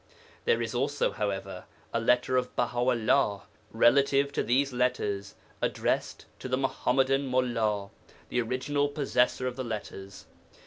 There is also, however, a letter of Baha 'ullah relative to these letters, addressed to the Muḥammadan mullā, the original possessor of the letters.